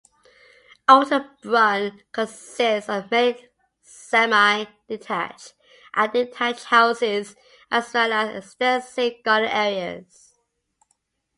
Ottobrunn consists of mainly semi-detached and detached houses, as well as extensive garden areas.